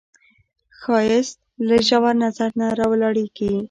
ښایست له ژور نظر نه راولاړیږي